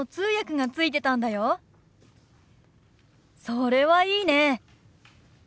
それはいいね。